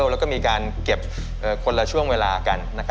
แล้วก็มีการเก็บคนละช่วงเวลากัน